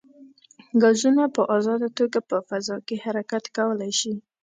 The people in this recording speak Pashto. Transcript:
ګازونه په ازاده توګه په فضا کې حرکت کولی شي.